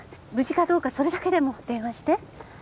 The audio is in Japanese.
無事かどうかそれだけでも電話して。